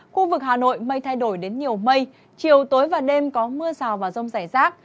khu vực hà nội mây thay đổi đến nhiều mây chiều tối và đêm có mưa rào và rông rải rác